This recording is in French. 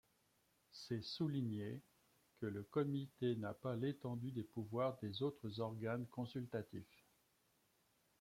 C’est souligner que le Comité n’a pas l’étendue des pouvoirs des autres organes consultatifs.